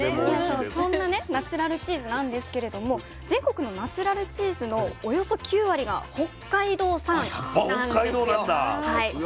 そんなねナチュラルチーズなんですけれども全国のナチュラルチーズのおよそ９割が北海道産なんですよ。